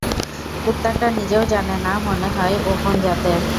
কুত্তাটা নিজেও জানে না মনেহয় ও কোন জাতের।